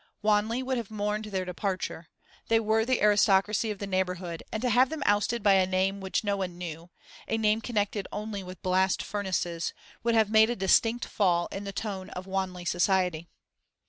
Wanley would have mourned their departure; they were the aristocracy of the neighbourhood, and to have them ousted by a name which no one knew, a name connected only with blast furnaces, would have made a distinct fall in the tone of Wanley society.